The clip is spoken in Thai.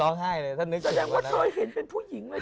โดยเชิงเป็นผู้หญิง